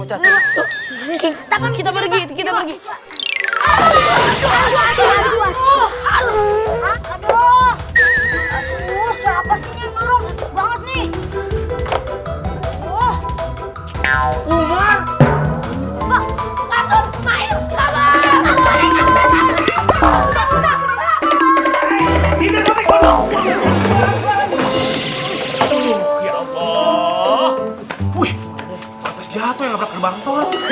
wuih batas jatoh yang nggak pernah terbang toh